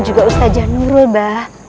juga ustaz janurul bah